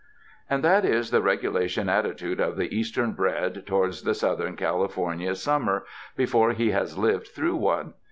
And that is the regulation attitude of the Eastern bred towards the Southern California summer, be fore he has lived through one.